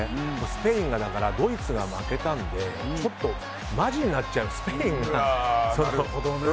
スペインが、ドイツが負けたのでちょっとまじになっちゃうスペインが。